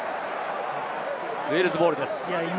ウェールズボールです。